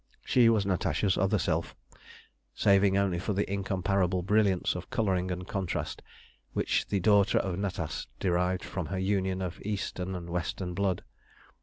She was Natasha's other self, saving only for the incomparable brilliance of colouring and contrast which the daughter of Natas derived from her union of Eastern and Western blood.